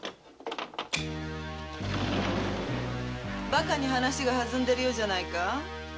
バカに話が弾んでるようじゃないか。